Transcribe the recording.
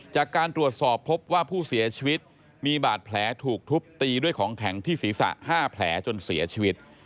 จากการตรวจสอบพบว่าผู้เสียชีวิตมีบาดแผลถูกทุบตีด้วยของแข็งที่ศีรษะ๕แผลจนเสียชีวิต